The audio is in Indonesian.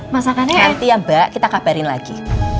masakannya nanti ya mbak kita kabarin lagi